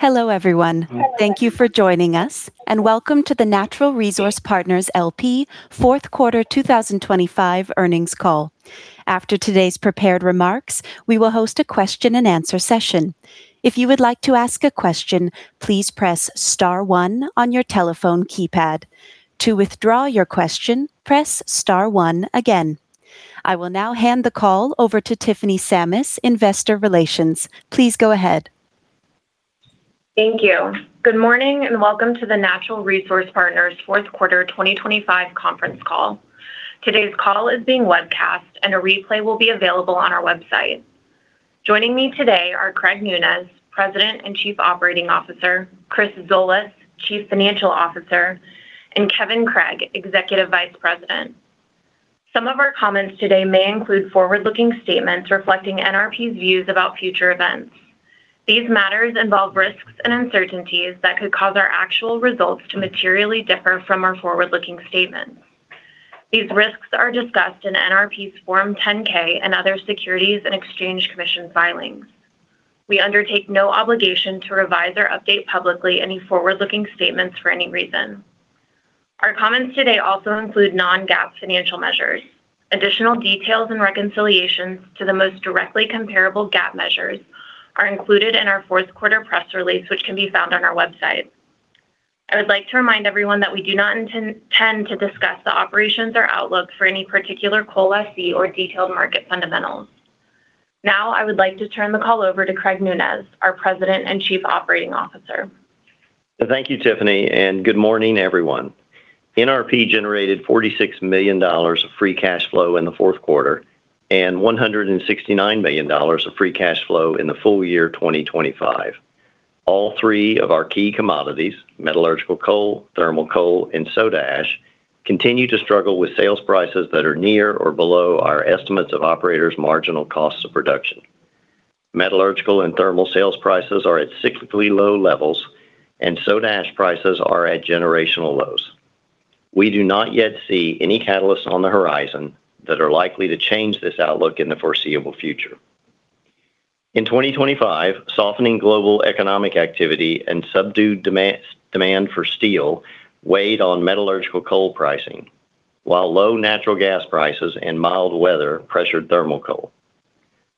Hello, everyone. Thank you for joining us, welcome to the Natural Resource Partners L.P. Fourth Quarter 2025 Earnings Call. After today's prepared remarks, we will host a question-and-answer session. If you would like to ask a question, please press star one on your telephone keypad. To withdraw your question, press star one again. I will now hand the call over to Tiffany Sammis, Investor Relations. Please go ahead. Thank you. Good morning, and welcome to the Natural Resource Partners fourth quarter 2025 conference call. Today's call is being webcast, and a replay will be available on our website. Joining me today are Craig Nunez, President and Chief Operating Officer, Chris Zolas, Chief Financial Officer, and Kevin Craig, Executive Vice President. Some of our comments today may include forward-looking statements reflecting NRP's views about future events. These matters involve risks and uncertainties that could cause our actual results to materially differ from our forward-looking statements. These risks are discussed in NRP's Form 10-K and other Securities and Exchange Commission filings. We undertake no obligation to revise or update publicly any forward-looking statements for any reason. Our comments today also include non-GAAP financial measures. Additional details and reconciliations to the most directly comparable GAAP measures are included in our fourth quarter press release, which can be found on our website. I would like to remind everyone that we do not intend to discuss the operations or outlook for any particular coal lessee or detailed market fundamentals. I would like to turn the call over to Craig Nunez, our President and Chief Operating Officer. Thank you, Tiffany. Good morning, everyone. NRP generated $46 million of free cash flow in the fourth quarter and $169 million of free cash flow in the full year 2025. All three of our key commodities, metallurgical coal, thermal coal, and soda ash, continue to struggle with sales prices that are near or below our estimates of operators' marginal costs of production. Metallurgical and thermal sales prices are at cyclically low levels, and soda ash prices are at generational lows. We do not yet see any catalysts on the horizon that are likely to change this outlook in the foreseeable future. In 2025, softening global economic activity and subdued demand for steel weighed on metallurgical coal pricing, while low natural gas prices and mild weather pressured thermal coal.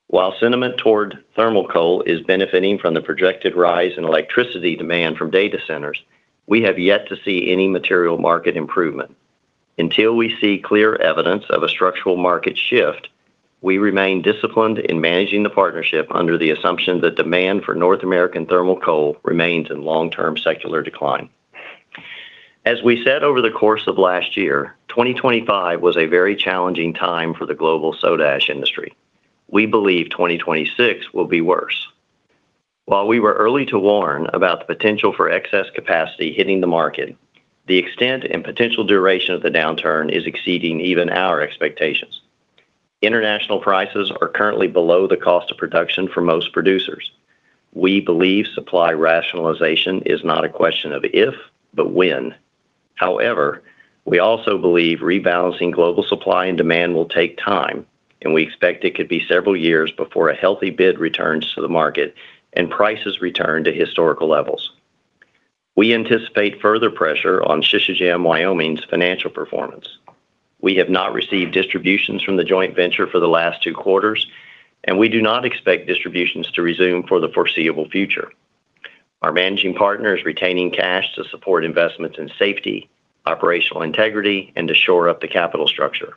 While sentiment toward thermal coal is benefiting from the projected rise in electricity demand from data centers, we have yet to see any material market improvement. Until we see clear evidence of a structural market shift, we remain disciplined in managing the partnership under the assumption that demand for North American thermal coal remains in long-term secular decline. As we said over the course of last year, 2025 was a very challenging time for the global soda ash industry. We believe 2026 will be worse. While we were early to warn about the potential for excess capacity hitting the market, the extent and potential duration of the downturn is exceeding even our expectations. International prices are currently below the cost of production for most producers. We believe supply rationalization is not a question of if, but when. We also believe rebalancing global supply and demand will take time, and we expect it could be several years before a healthy bid returns to the market and prices return to historical levels. We anticipate further pressure on Sisecam Wyoming's financial performance. We have not received distributions from the joint venture for the last 2 quarters, and we do not expect distributions to resume for the foreseeable future. Our managing partner is retaining cash to support investments in safety, operational integrity, and to shore up the capital structure.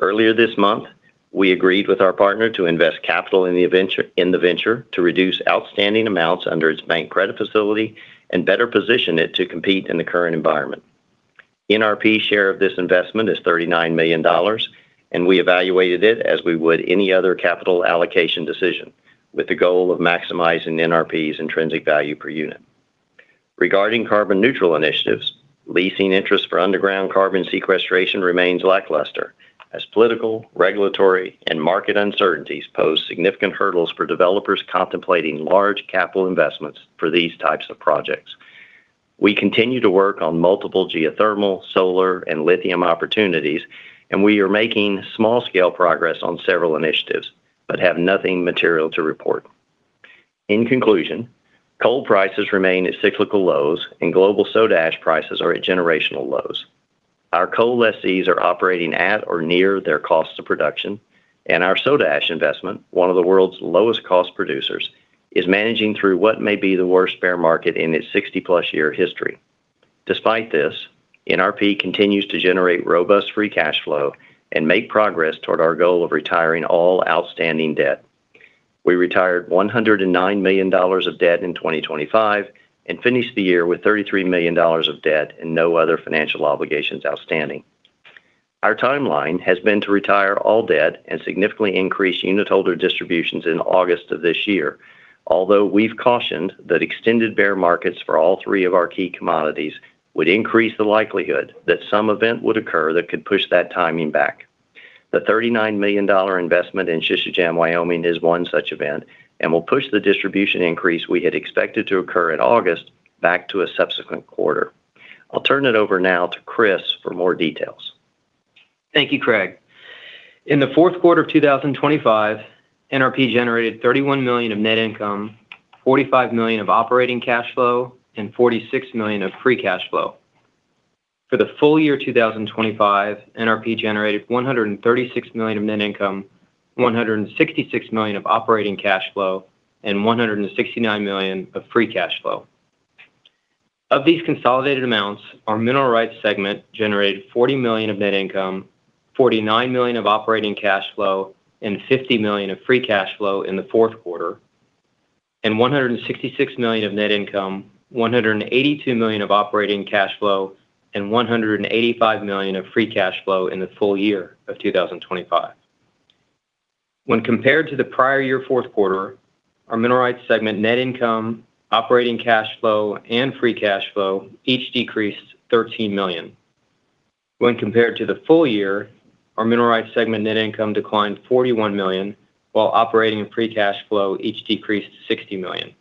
Earlier this month, we agreed with our partner to invest capital in the venture to reduce outstanding amounts under its bank credit facility and better position it to compete in the current environment. NRP share of this investment is $39 million. We evaluated it as we would any other capital allocation decision, with the goal of maximizing NRP's intrinsic value per unit. Regarding carbon-neutral initiatives, leasing interest for underground carbon sequestration remains lackluster as political, regulatory, and market uncertainties pose significant hurdles for developers contemplating large capital investments for these types of projects. We continue to work on multiple geothermal, solar, and lithium opportunities. We are making small-scale progress on several initiatives but have nothing material to report. In conclusion, coal prices remain at cyclical lows. Global soda ash prices are at generational lows. Our coal lessees are operating at or near their costs of production. Our soda ash investment, one of the world's lowest-cost producers, is managing through what may be the worst bear market in its 60-plus year history. Despite this, NRP continues to generate robust free cash flow and make progress toward our goal of retiring all outstanding debt. We retired $109 million of debt in 2025 and finished the year with $33 million of debt and no other financial obligations outstanding. Our timeline has been to retire all debt and significantly increase unitholder distributions in August of this year. Although we've cautioned that extended bear markets for all three of our key commodities would increase the likelihood that some event would occur that could push that timing back. The $39 million investment in Sisecam, Wyoming, is one such event and will push the distribution increase we had expected to occur in August back to a subsequent quarter. I'll turn it over now to Chris for more details. Thank you, Craig. In the fourth quarter of 2025, NRP generated $31 million of net income, $45 million of operating cash flow, and $46 million of free cash flow. For the full year 2025, NRP generated $136 million of net income, $166 million of operating cash flow, and $169 million of free cash flow. Of these consolidated amounts, our Mineral Rights segment generated $40 million of net income, $49 million of operating cash flow, and $50 million of free cash flow in the fourth quarter, and $166 million of net income, $182 million of operating cash flow, and $185 million of free cash flow in the full year of 2025. When compared to the prior year fourth quarter, our Mineral Rights segment net income, operating cash flow, and free cash flow each decreased $13 million. When compared to the full year, our Mineral Rights segment net income declined $41 million, while operating and free cash flow each decreased $60 million.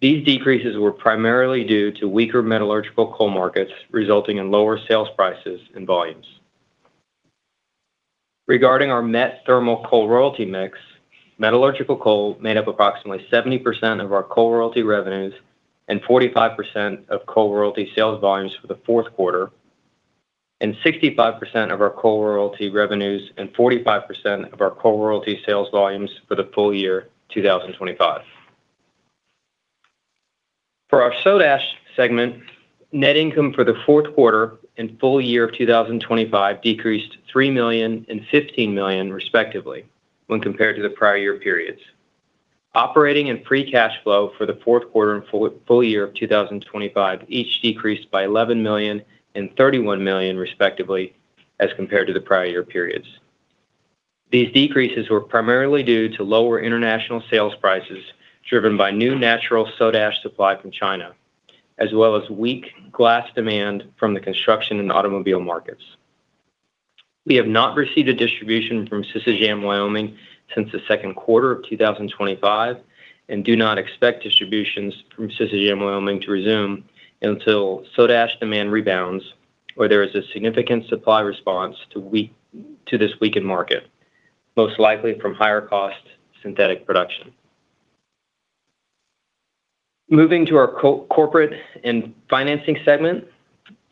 These decreases were primarily due to weaker metallurgical coal markets, resulting in lower sales prices and volumes. Regarding our net thermal coal royalty mix, metallurgical coal made up approximately 70% of our coal royalty revenues and 45% of coal royalty sales volumes for the fourth quarter, and 65% of our coal royalty revenues and 45% of our coal royalty sales volumes for the full year 2025. For our Soda Ash segment, net income for the fourth quarter and full year of 2025 decreased $3 million and $15 million, respectively, when compared to the prior year periods. Operating and free cash flow for the fourth quarter and full year of 2025 each decreased by $11 million and $31 million, respectively, as compared to the prior year periods. These decreases were primarily due to lower international sales prices, driven by new natural soda ash supply from China, as well as weak glass demand from the construction and automobile markets. We have not received a distribution from Sisecam Wyoming since the second quarter of 2025. Do not expect distributions from Sisecam Wyoming to resume until soda ash demand rebounds or there is a significant supply response to this weakened market, most likely from higher cost synthetic production. Moving to our Corporate and Financing segment,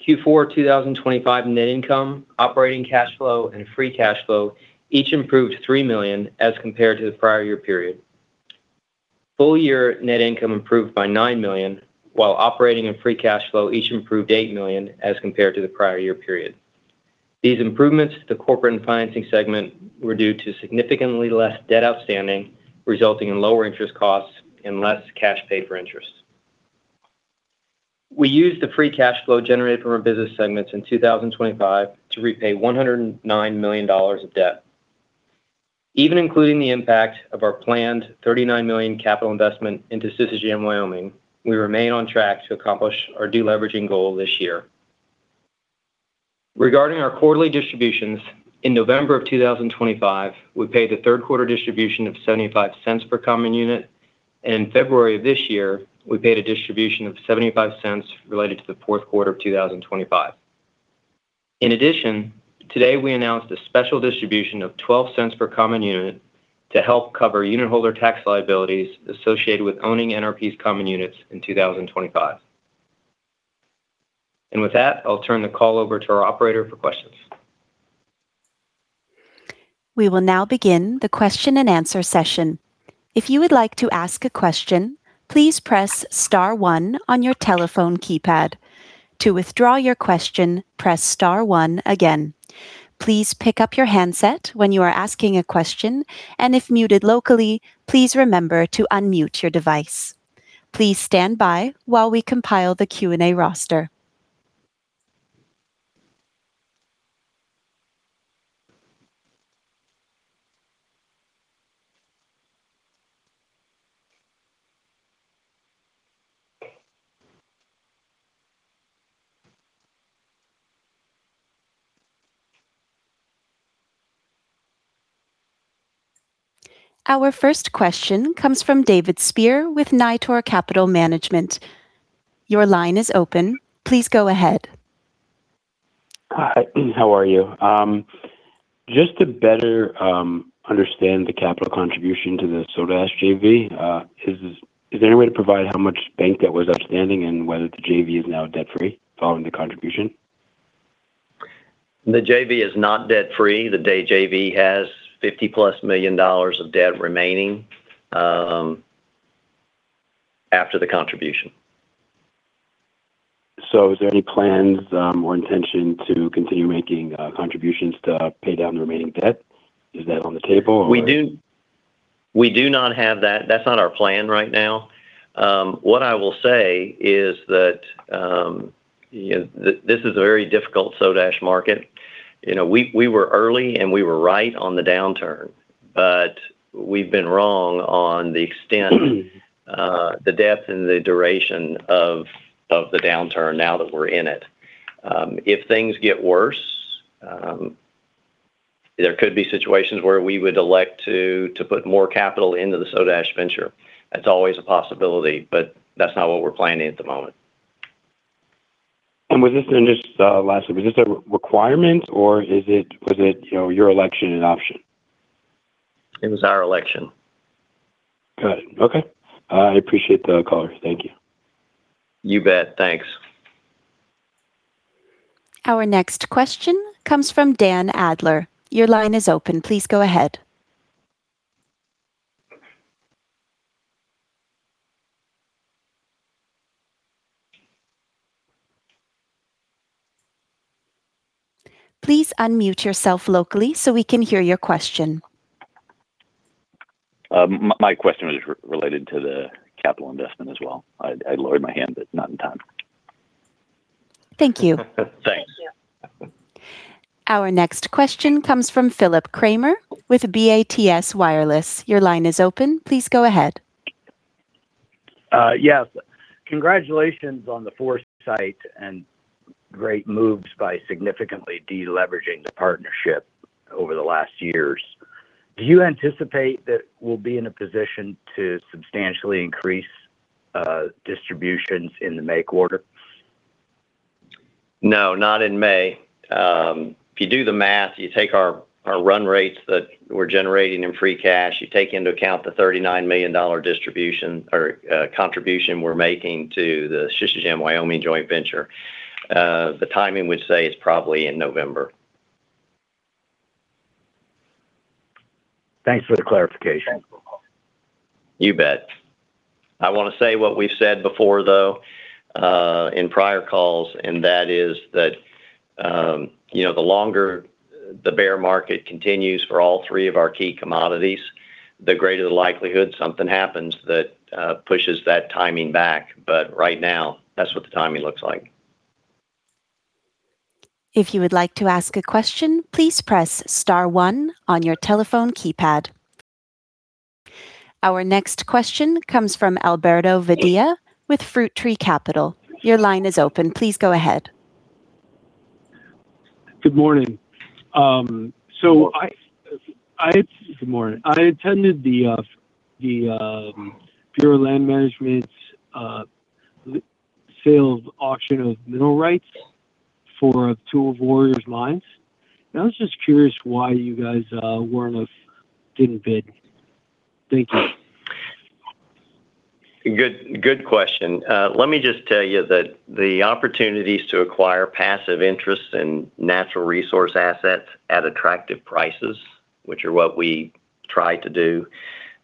Q4 2025 net income, operating cash flow, and free cash flow each improved $3 million as compared to the prior year period. Full year net income improved by $9 million, while operating and free cash flow each improved $8 million as compared to the prior year period. These improvements to the Corporate and Financing segment were due to significantly less debt outstanding, resulting in lower interest costs and less cash paid for interest. We used the free cash flow generated from our business segments in 2025 to repay $109 million of debt. Even including the impact of our planned $39 million capital investment into Sisecam Wyoming, we remain on track to accomplish our de-leveraging goal this year. Regarding our quarterly distributions, in November of 2025, we paid a third quarter distribution of $0.75 per common unit. In February of this year, we paid a distribution of $0.75 related to the fourth quarter of 2025. In addition, today we announced a special distribution of $0.12 per common unit to help cover unitholder tax liabilities associated with owning NRP's common units in 2025. With that, I'll turn the call over to our operator for questions. We will now begin the question-and-answer session. If you would like to ask a question, please press star one on your telephone keypad. To withdraw your question, press star one again. Please pick up your handset when you are asking a question, and if muted locally, please remember to unmute your device. Please stand by while we compile the Q&A roster. Our first question comes from David Spier with Nitor Capital Management. Your line is open. Please go ahead. Hi, how are you? just to better understand the capital contribution to the Soda Ash JV, is there any way to provide how much bank debt was outstanding and whether the JV is now debt-free following the contribution? The JV is not debt-free. The JV has $50+ million of debt remaining, after the contribution. Is there any plans, or intention to continue making, contributions to pay down the remaining debt? Is that on the table? We do not have that. That's not our plan right now. What I will say is that, you know, this is a very difficult soda ash market. You know, we were early, and we were right on the downturn, but we've been wrong on the extent, the depth and the duration of the downturn now that we're in it. If things get worse. There could be situations where we would elect to put more capital into the soda ash venture. That's always a possibility, but that's not what we're planning at the moment. Last week, was this a requirement or is it, you know, your election an option? It was our election. Got it. Okay. I appreciate the call. Thank you. You bet. Thanks. Our next question comes from Dan Adler. Your line is open. Please go ahead. Please unmute yourself locally so we can hear your question. My question is related to the capital investment as well. I lowered my hand, but not in time. Thank you. Thanks. Thank you. Our next question comes from Phillip Cramer with BATS Wireless. Your line is open. Please go ahead. Yes. Congratulations on the foresight and great moves by significantly de-leveraging the partnership over the last years. Do you anticipate that we'll be in a position to substantially increase distributions in the May quarter? No, not in May. If you do the math, you take our run rates that we're generating in free cash, you take into account the $39 million distribution or contribution we're making to the Sisecam Wyoming joint venture, the timing, we'd say, is probably in November. Thanks for the clarification. You bet. I want to say what we've said before, though, in prior calls, and that is that, you know, the longer the bear market continues for all three of our key commodities, the greater the likelihood something happens that pushes that timing back. Right now, that's what the timing looks like. If you would like to ask a question, please press star one on your telephone keypad. Our next question comes from Alberto Vadia with Fruit Tree Capital. Your line is open. Please go ahead. Good morning. I attended the Pure Land Management's sale auction of mineral rights for two of Warrior's mines. I was just curious why you guys worn of, didn't bid. Thank you. Good, good question. Let me just tell you that the opportunities to acquire passive interests in natural resource assets at attractive prices, which are what we try to do,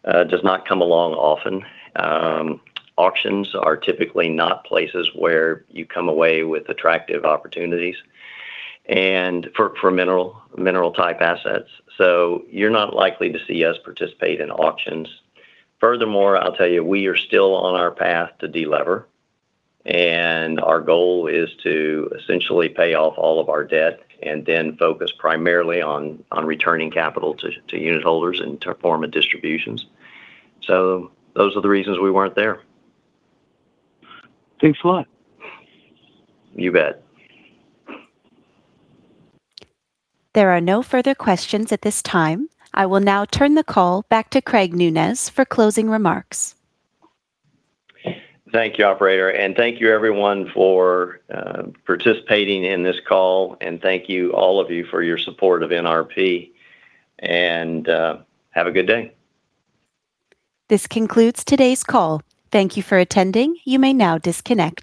does not come along often. Auctions are typically not places where you come away with attractive opportunities and for mineral-type assets. You're not likely to see us participate in auctions. Furthermore, I'll tell you, we are still on our path to de-lever, and our goal is to essentially pay off all of our debt and then focus primarily on returning capital to unitholders and to form a distributions. Those are the reasons we weren't there. Thanks a lot. You bet. There are no further questions at this time. I will now turn the call back to Craig Nunez for closing remarks. Thank you, operator, and thank you everyone for, participating in this call, and thank you, all of you, for your support of NRP, and, have a good day. This concludes today's call. Thank you for attending. You may now disconnect.